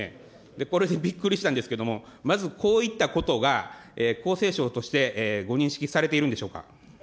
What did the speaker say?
これでびっくりしたんですけど、まずこういったことが厚生省として、ご認識されているんでしょうか。